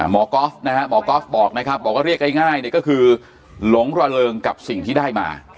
มกอฟบอกนะครับผมก็เรียกง่ายคือหลมระเริงกับสิ่งที่ได้มา